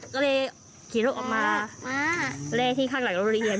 ก็เลยขีดลูกออกมาเล่ที่ข้างหลังนุรีเย็น